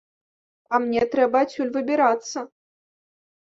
А мне трэба адсюль выбірацца.